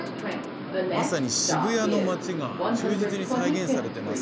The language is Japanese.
まさに渋谷の街が忠実に再現されてます。